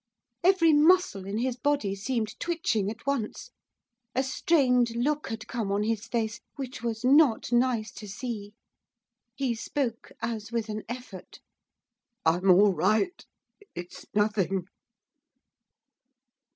Every muscle in his body seemed twitching at once. A strained look had come on his face, which was not nice to see. He spoke as with an effort. 'I'm all right. It's nothing.